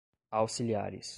auxiliares